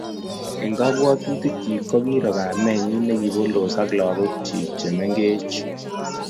Eng kabwatutikchi kokiiro kamenyi ne kiboldos ak lagokchi chemengech